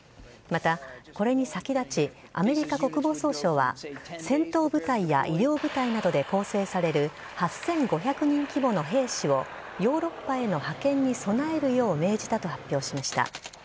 また、これに先立ち、アメリカ国防総省は、戦闘部隊や医療部隊などで構成される８５００人規模の兵士を、ヨーロッパへの派遣に備えるよう命じたと発表しました。